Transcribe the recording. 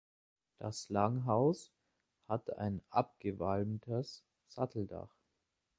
Das Langhaus hat ein abgewalmtes Satteldach.